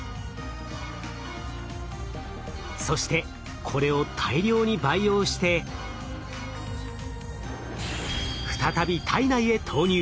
そしてこれを大量に培養して再び体内へ投入。